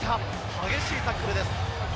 激しいタックルです。